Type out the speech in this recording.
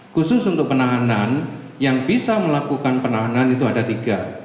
khusus untuk penahanan yang bisa melakukan penahanan itu ada tiga